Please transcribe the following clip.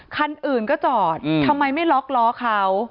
คันอื่นก็จอดทำไมไม่ล็อกล้อเขา